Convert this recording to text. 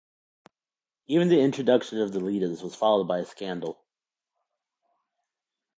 Even the introduction of the litas was followed by a scandal.